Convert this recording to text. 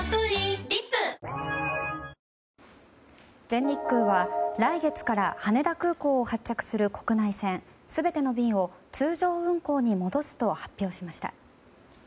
全日空は来月から羽田空港を発着する国内線全ての便を通常運航に戻すと発表しました。